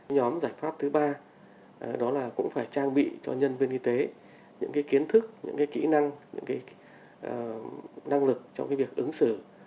nhóm giải pháp thứ ba đó là cũng phải trang bị cho nhân viên y tế những cái kiến thức những cái kỹ năng những cái năng lực trong cái việc ứng xử